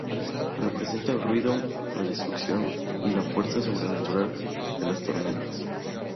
Representa el ruido, la destrucción, la fuerza sobrenatural de las tormentas.